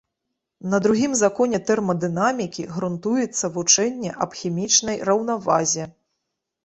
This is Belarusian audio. На другім законе тэрмадынамікі грунтуецца вучэнне аб хімічнай раўнавазе.